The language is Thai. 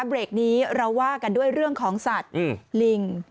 เบรกนี้เราว่ากันด้วยเรื่องของสัตว์ลิง